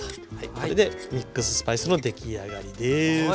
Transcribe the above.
これでミックススパイスの出来上がりです。